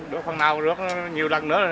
đỡ phần nào được nhiều lần nữa